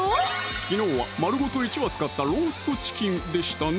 昨日は丸ごと１羽使った「ローストチキン」でしたね